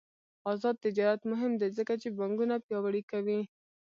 آزاد تجارت مهم دی ځکه چې بانکونه پیاوړي کوي.